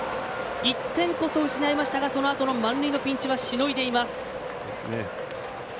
１点こそ失いましたがそのあとの満塁のピンチはしのいでいます。